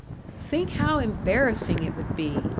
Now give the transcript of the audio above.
"Think how embarrassing it would be!"